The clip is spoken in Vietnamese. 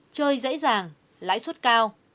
chơi dễ dàng lãi suất cao